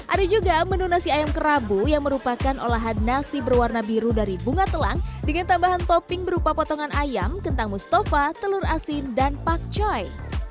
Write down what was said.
ada juga menu nasi ayam kerabu yang merupakan olahan nasi berwarna biru dari bunga telang dengan tambahan topping berupa potongan ayam kentang mustafa telur asin dan pak choy